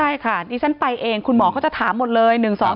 ใช่ค่ะดิฉันไปเองคุณหมอเขาจะถามหมดเลย